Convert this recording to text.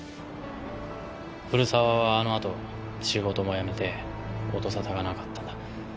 古沢はあのあと仕事も辞めて音沙汰がなかったんだ。